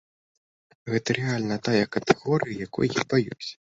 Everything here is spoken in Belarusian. Гэта рэальна тая катэгорыя, якой я баяўся.